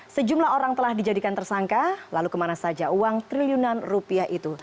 sejumlah orang telah dijadikan tersangka lalu kemana saja uang triliunan rupiah itu